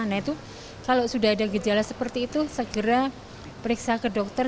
nah itu kalau sudah ada gejala seperti itu segera periksa ke dokter